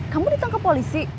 kamu ditangkep polisi